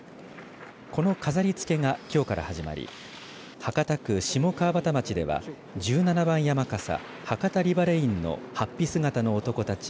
この飾りつけがきょうから始まり博多区下川端町では十七番山笠博多リバレインのはっぴ姿の男たち